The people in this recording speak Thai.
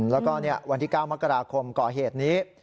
แล้วก็วันที่๙มกราคมก่อเหตุนี้